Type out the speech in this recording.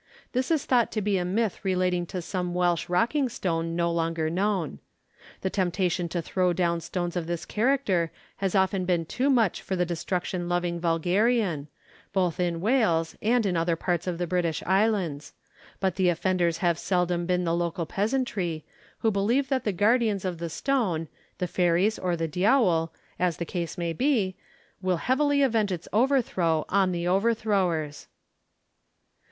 This is thought to be a myth relating to some Welsh rocking stone no longer known. The temptation to throw down stones of this character has often been too much for the destruction loving vulgarian, both in Wales and in other parts of the British islands; but the offenders have seldom been the local peasantry, who believe that the guardians of the stone the fairies or the diawl, as the case may be will heavily avenge its overthrow on the overthrowers.